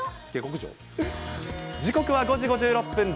時刻は５時５６分。